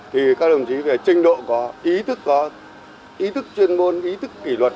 thì các đồng chí về trinh độ có ý thức chuyên môn ý thức kỷ luật